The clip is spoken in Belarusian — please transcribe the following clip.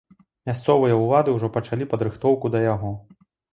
Мясцовыя ўлады ўжо пачалі падрыхтоўку да яго.